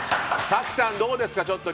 早紀さん、どうですか？